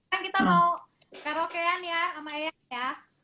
kan kita mau karaoke an ya sama eyang ya